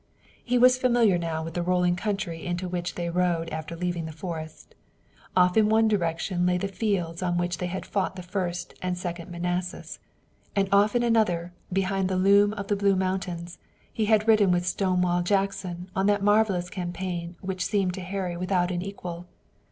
He was familiar now with the rolling country into which they rode after leaving the forest. Off in one direction lay the fields on which they had fought the First and Second Manassas, and off in another, behind the loom of the blue mountains, he had ridden with Stonewall Jackson on that marvelous campaign which seemed to Harry without an equal.